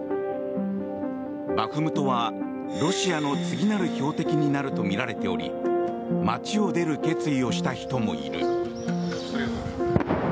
バフムトはロシアの次なる標的になるとみられており街を出る決意をした人もいる。